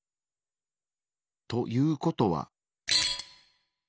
ということは。